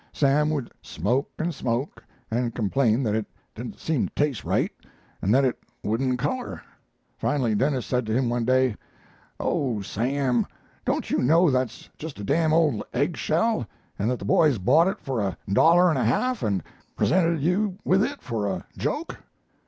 Sam would smoke and smoke, and complain that it didn't seem to taste right, and that it wouldn't color. Finally Denis said to him one day: "'Oh, Sam, don't you know that's just a damned old egg shell, and that the boys bought it for a dollar and a half and presented you with it for a joke?'